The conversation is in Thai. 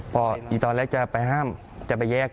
พออีกตอนแรกจะไปห้ามจะไปแยก